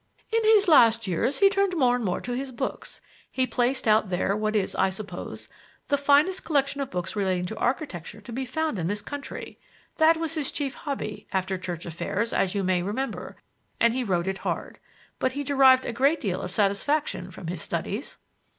"In his last years he turned more and more to his books. He placed out there what is, I suppose, the finest collection of books relating to architecture to be found in this country. That was his chief hobby, after church affairs, as you may remember, and he rode it hard. But he derived a great deal of satisfaction from his studies."